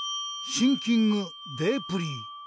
シンキングデープリー。